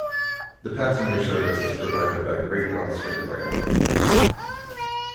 The passenger service is provided by Great Western Railway.